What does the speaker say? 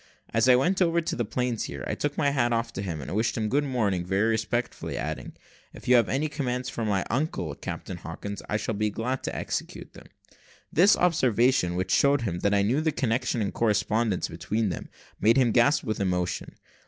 As I went over the planeshear, I took my hat off to him, and wished him good morning very respectfully, adding, "If you have any commands for my uncle, Captain Hawkins, I shall be glad to execute them." This observation, which showed him that I knew the connection and correspondence between them, made him gasp with emotion.